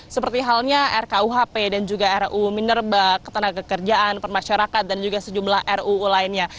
seperti halnya rkuhp dan juga ruu minerba ketenagakerjaan permasyarakat dan juga sejumlah ruu lainnya